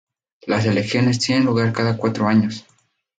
Las elecciones tienen lugar cada cuatro años.